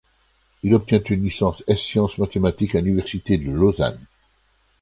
Il obtient une licence ès sciences mathématiques à l’Université de Lausanne.